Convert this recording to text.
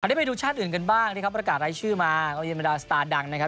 คราวนี้เอาไปดูชาติอื่นกันบ้างเยี่ยมรับดันตัวของสตาร์ทดังค่ะ